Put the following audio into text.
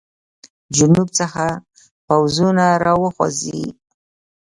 جنوب څخه پوځونه را وخوځوي.